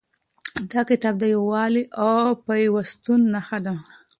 دا کتاب د یووالي او پیوستون نښه ده.